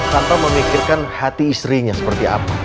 tanpa memikirkan hati istrinya seperti apa